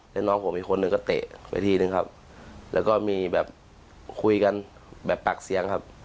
แล้วน้องผมอีกคนหนึ่งก็เตะไปทีนึงครับแล้วก็มีแบบคุยกันแบบปากเสียงครับ